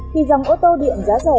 khi dòng ô tô điện giá rẻ